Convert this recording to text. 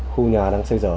khu nhà đang xây dở